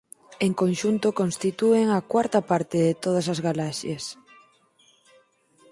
En conxunto constitúen a cuarta parte de todas as galaxias.